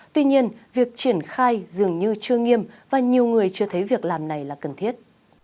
tuy nhiên việc triển khai dường như chưa nghiêm và nhiều người chưa thấy việc làm này là cần thiết